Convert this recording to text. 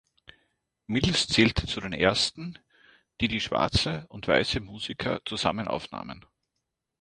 Mills zählte zu den ersten, die die schwarze und weiße Musiker zusammen aufnahmen.